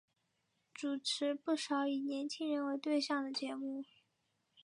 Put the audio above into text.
主持不少以年青人为对象的节目。